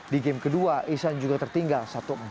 di game kedua ihsan juga tertinggal satu empat